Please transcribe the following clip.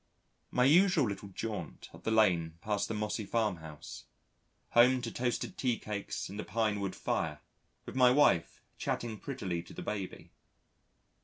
My usual little jaunt up the lane past the mossy farm house. Home to toasted tea cakes and a pinewood fire, with my wife chattering prettily to the baby.